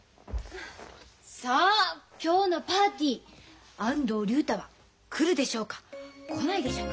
さあ今日のパーティー安藤竜太は来るでしょうか来ないでしょうか？